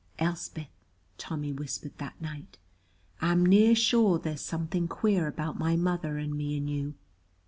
"Elspeth," Tommy whispered that night, "I'm near sure there's something queer about my mother and me and you."